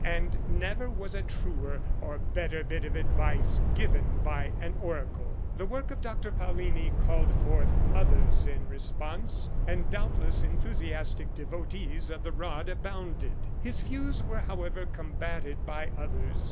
And never was a truer or better bit of advice given by an oracle. The work of Dr. Paullini called forth others in response, and doubtless enthusiastic devotees of the rod abounded. His views were, however, combated by others.